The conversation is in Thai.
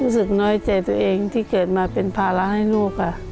รู้สึกน้อยใจตัวเองที่เกิดมาเป็นภาระให้ลูกค่ะ